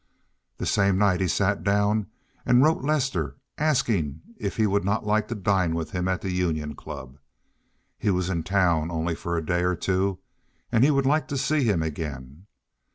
That same night he sat down and wrote Lester asking if he would not like to dine with him at the Union Club. He was only in town for a day or two, and he would like to see him again.